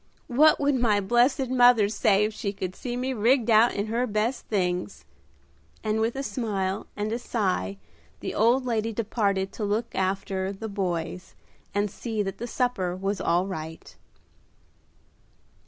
What would my blessed mother say if she could see me rigged out in her best things?" and with a smile and a sigh the old lady departed to look after "the boys," and see that the supper was all right.